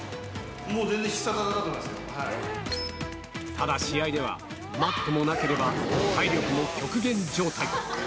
もう全然、ただ試合では、マットもなければ、体力も極限状態。